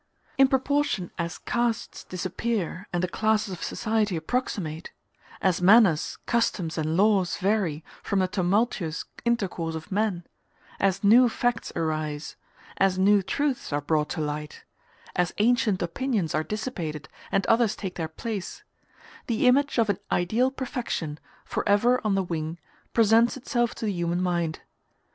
In proportion as castes disappear and the classes of society approximate as manners, customs, and laws vary, from the tumultuous intercourse of men as new facts arise as new truths are brought to light as ancient opinions are dissipated, and others take their place the image of an ideal perfection, forever on the wing, presents itself to the human mind.